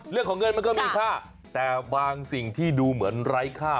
เรื่องของเงินมันก็มีค่าแต่บางสิ่งที่ดูเหมือนไร้ค่า